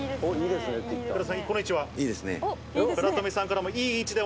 この位置は？